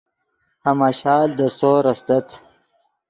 ہماشال دے سور استت